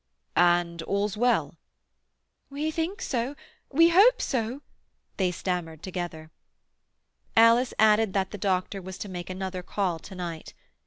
"And all's well?" "We think so—we hope so," they stammered together. Alice added that the doctor was to make another call to night.